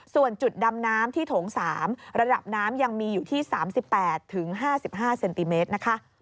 ส่วนจุดดำน้ำที่โถง๓ระดับน้ำยังมีอยู่ที่๓๘๕๕เซนติเมตรนะคะ